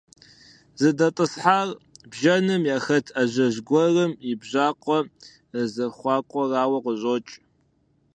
ЗыдэтӀысхьар бжэным яхэт ажэжь гуэрым и бжьакъуэ зэхуакурауэ къыщӀокӀ.